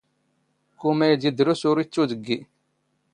ⴽⵓ ⵎⴰ ⴰⵢⴷ ⵉⴷⵔⵓⵙ ⵓⵔ ⵉⵜⵜⵓⴷⴳⴳⵉ.